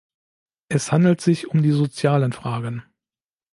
Es handelt sich um die sozialen Fragen.